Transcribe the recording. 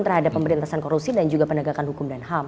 terhadap pemberantasan korupsi dan juga penegakan hukum dan ham